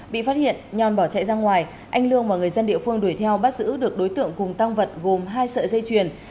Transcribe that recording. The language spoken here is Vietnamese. bị phát hiện nhon bỏ chạy ra ngoài anh lương và người dân địa phương đuổi theo bắt giữ được đối tượng cùng tăng vật gồm hai sợi dây chuyền